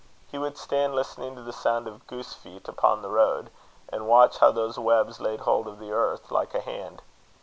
He would stand listening to the sound of goose feet upon the road, and watch how those webs laid hold of the earth like a hand.